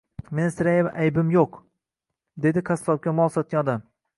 Meni sirayam aybim yo`q,dedi qassobga mol sotgan odam